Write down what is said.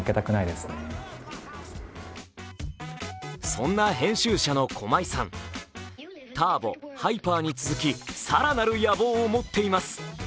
そんな編集者の駒井さん「ターボ」、「ハイパー」に続き更なる野望を持っています。